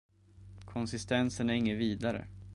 Konsistensen är inget vidare.